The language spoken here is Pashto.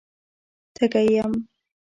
_تږی يم.